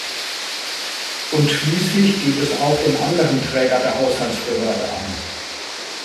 Und schließlich geht es auch den anderen Träger der Haushaltsbehörde an.